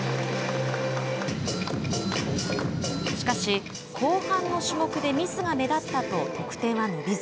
しかし、後半の種目でミスが目立ったと得点は伸びず。